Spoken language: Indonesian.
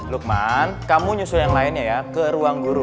lukman kamu nyusul yang lainnya ya ke ruang guru